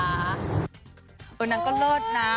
นางก็เลิศนะ